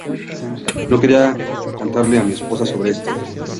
No quería contarle a mi esposa sobre esto.